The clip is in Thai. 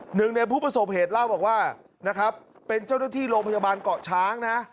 หนึ่งในผู้ประสบเหตุเล่าบอกว่านะครับเป็นเจ้าหน้าที่โรงพยาบาลเกาะช้างนะ